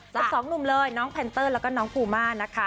สองหนุ่มเลยน้องแพนเตอร์แล้วก็น้องภูมานะคะ